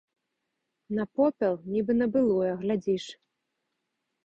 На попел, нібы на былое, глядзіш.